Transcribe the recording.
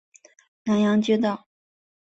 南阳街道